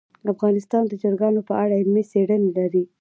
افغانستان د چرګانو په اړه علمي څېړنې لري.